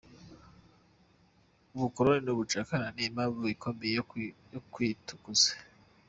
Ubukoroni n’ubucakara ni impamvu ikomeye yo kwitukuza.